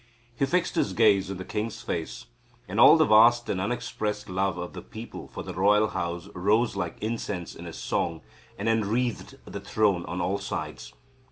He fixed his gaze on the king's face, and all the vast and unexpressed love of the people for the royal house rose like incense in his song, and enwreathed the throne on all sides.